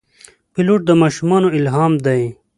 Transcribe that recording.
پیلوټ د ماشومانو الهام دی.